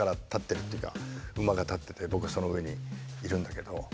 馬が立ってて僕がその上にいるんだけど。